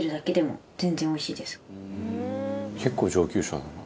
「結構上級者だな」